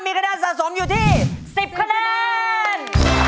มีคะแนนสะสมอยู่ที่๑๐คะแนน